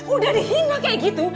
udah dihina kayak gitu